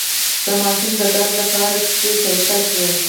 د ماشوم د ګاز لپاره پښې سایکل کړئ